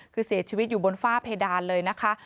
คือเสียชีวิตอยู่บนฝ้าเพดานเลยนะคะ